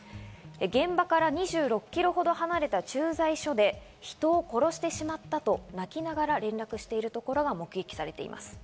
現場から２６ｋｍほど離れた駐在所で人を殺してしまったと泣きながら連絡しているところが目撃されています。